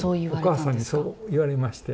お母さんにそう言われまして。